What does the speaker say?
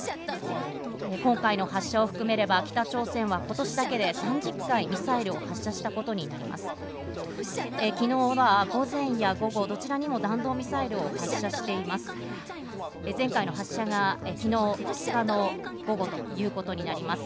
今回の発射を含めれば北朝鮮は今年だけで３０回ミサイルを発射したことになります。